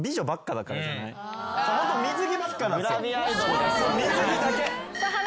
ホント水着ばっかなんですよ。